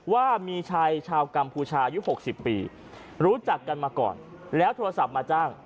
ว่ามีชายชาวกัมพูชายุ๖๐ปีรู้จักกันมาก่อนแล้วโทรศัพท์มาจ้าง